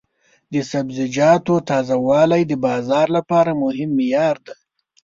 د سبزیجاتو تازه والی د بازار لپاره مهم معیار دی.